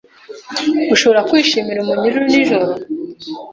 Ushobora kwishimira umunyururu nijoro